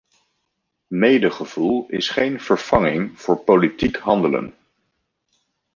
Medegevoel is geen vervanging voor politiek handelen.